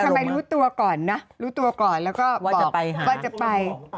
แต่ทำไมรู้ตัวก่อนนะรู้ตัวก่อนแล้วก็บอกว่าจะไป